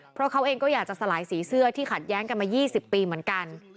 เพราะเขาเองก็อยากจะสลายสีเสื้อที่ขัดแย้งกันมา๒๐ปีเหมือนกัน